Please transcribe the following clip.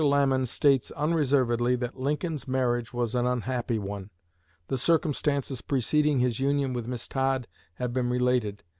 Lamon states unreservedly that Lincoln's marriage was an unhappy one. The circumstances preceding his union with Miss Todd have been related.